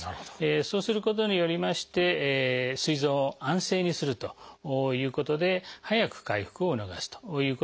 そうすることによりましてすい臓を安静にするということで早く回復を促すということにつながります。